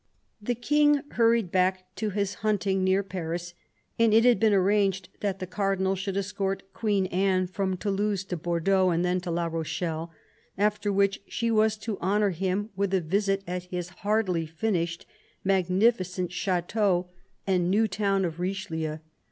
The King hurried back to his hunting near Paris, and it had been arranged that the Cardinal should escort Queen Anne from Toulouse to Bordeaux, and then to La Rochelle, after which she was to honour him with a visit at his hardly finished, magnificent chateau and new town of 232 CARDINAL UK KlUHEUEU Richelieu.